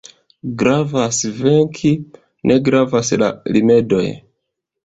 Gravas venki, ne gravas la rimedoj.